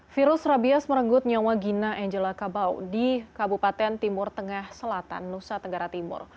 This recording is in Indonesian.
virus rabies merenggut nyawa gina angela kabau di kabupaten timur tengah selatan nusa tenggara timur